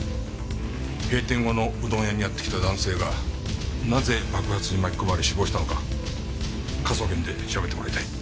閉店後のうどん屋にやってきた男性がなぜ爆発に巻き込まれ死亡したのか科捜研で調べてもらいたい。